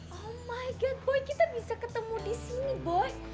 oh my good boy kita bisa ketemu di sini bos